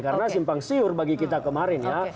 karena simpang siur bagi kita kemarin ya